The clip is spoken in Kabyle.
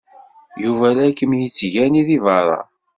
Yuba la kem-yettgani deg beṛṛa.